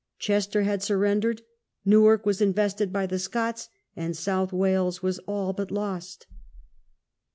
Chester had surrendered, Newark was invested by the Scots, and South Wales was all but lost.